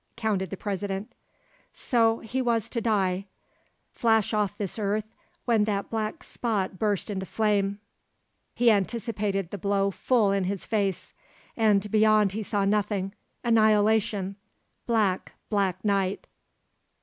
counted the President. So he was to die, flash off this earth when that black spot burst into flame. He anticipated the blow full in his face; and beyond he saw nothing, annihilation, black, black night.